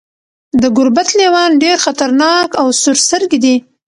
د ګوربت لیوان ډیر خطرناک او سورسترګي دي.